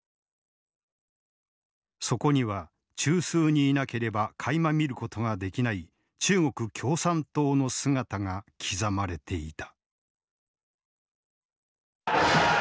そこには中枢にいなければかいま見ることができない中国共産党の姿が刻まれていた。